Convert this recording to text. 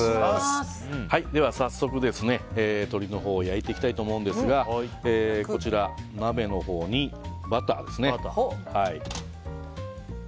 では早速、鶏のほうを焼いていきたいと思うんですが鍋のほうにバターですね。